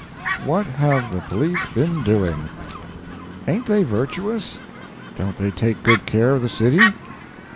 WHAT HAVE THE POLICE BEEN DOING? Ain't they virtuous? Don't they take good care of the city?